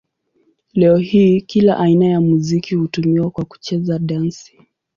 Leo hii kila aina ya muziki hutumiwa kwa kucheza dansi.